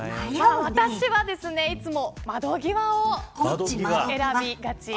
私は、いつも窓際を選びがち。